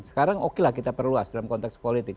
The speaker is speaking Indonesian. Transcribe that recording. sekarang okelah kita perluas dalam konteks politik